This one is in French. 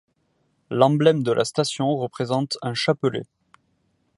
L'emblème de la station représente un chapelet.